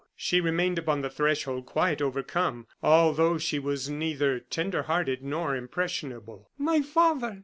She remained upon the threshold, quite overcome, although she was neither tender hearted nor impressionable. "My father!"